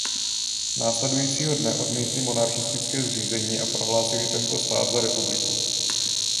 Následujícího dne odmítli monarchistické zřízení a prohlásili tento stát za republiku.